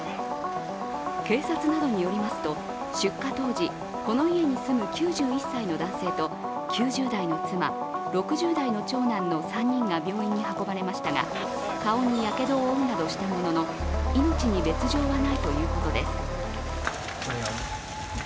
警察などによりますと、出火当時この家に住む９１歳の男性と９０代の妻、６０代の長男の３人が病院に運ばれましたが顔にやけどを負うなどしたものの命に別状はないということです。